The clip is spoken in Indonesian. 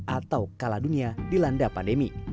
atau kalah dunia di landa pandemi